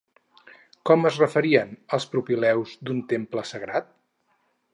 Com es referien als propileus d'un temple sagrat?